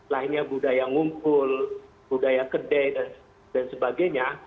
lahirnya budaya ngumpul budaya kedai dan sebagainya